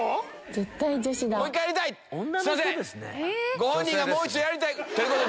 ご本人がもう一度やりたいということで。